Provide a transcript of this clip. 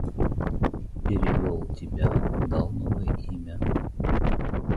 Перевел тебя, дал новое имя.